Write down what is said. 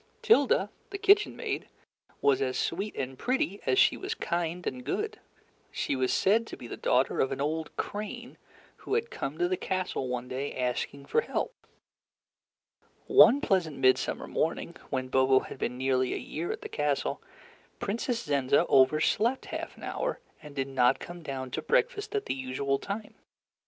Tilda, the kitchen maid, was as sweet and pretty as she was kind and good. She was said to be the daughter of an old crane who had come to the castle one day, asking for help. One pleasant mid summer morning, when Bobo had been nearly a year at the castle, Princess Zenza overslept half an hour and did not come down to breakfast at the usual time.